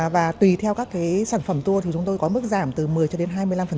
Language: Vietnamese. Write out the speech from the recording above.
và tùy theo các cái sản phẩm tour thì chúng tôi có mức giảm từ một mươi cho đến hai mươi năm